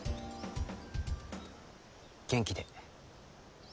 元気で。